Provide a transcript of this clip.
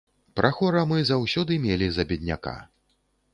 Прахора мы заўсёды мелі за бедняка.